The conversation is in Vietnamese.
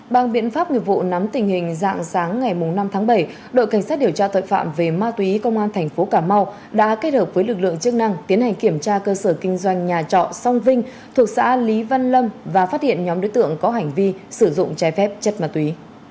bằng biện pháp nghiệp vụ nắm tình hình dạng sáng ngày năm tháng bảy đội cảnh sát điều tra tội phạm về ma túy công an thành phố cà mau đã kết hợp với lực lượng chức năng tiến hành kiểm tra cơ sở kinh doanh nhà trọ song vinh thuộc xã lý văn lâm và phát hiện nhóm đối tượng có hành vi sử dụng trái phép chất ma túy